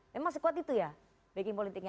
memang sekuat itu ya backing politiknya